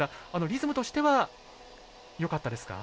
リズムとしてはよかったですか？